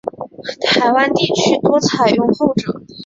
台湾地区多采用后者。